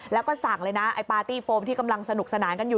แล้วก็สั่งเลยนะไอ้ปาร์ตี้โฟมที่กำลังสนุกสนานกันอยู่